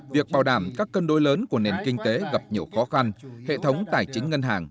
việc bảo đảm các cân đối lớn của nền kinh tế gặp nhiều khó khăn hệ thống tài chính ngân hàng